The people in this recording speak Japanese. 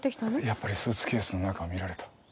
やっぱりスーツケースの中を見られた。